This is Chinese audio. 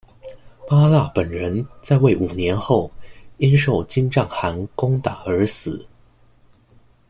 八剌本人在位五年后因受金帐汗攻打而死。